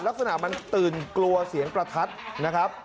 ลักษณะมันตื่นกลัวเสียงประทัดนะครับ